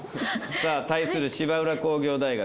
さあ対する芝浦工業大学。